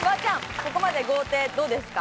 ここまで豪邸どうですか？